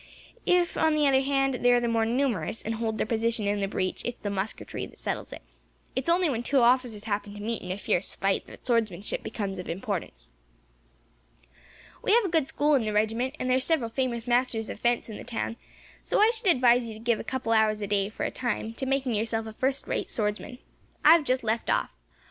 If, on the other hand, they are the more numerous, and hold their position in the breach, it is the musketry that settles it. It is only when two officers happen to meet, in a fierce fight, that swordsmanship becomes of importance. "We have a good school in the regiment, and there are several famous masters of fence in the town, so I should advise you to give a couple of hours a day, for a time, to making yourself a first rate swordsman. I have just left off.